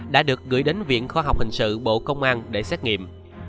đã được gửi đến viện khoa học hình sự bộ công an để xét nghiệm